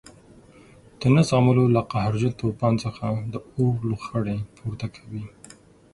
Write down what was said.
د نه زغملو له قهرجن توپان څخه د اور لوخړې پورته کوي.